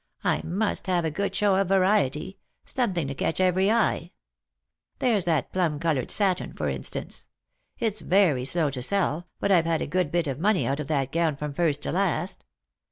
I must have a good show of variety — some thing to catch every eye. There's that plum coloured satin, for instance; it's very slow to sell, but I've had a good bit of money out of that gown from first to last.